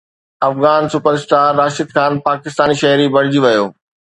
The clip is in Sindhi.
افغان سپر اسٽار راشد خان پاڪستاني شهري بڻجي ويو